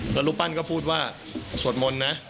แล้วรูปปั้นก็พูดว่าสวดมนต์นะ